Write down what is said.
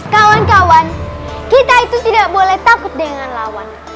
kawan kawan kita itu tidak boleh takut dengan lawan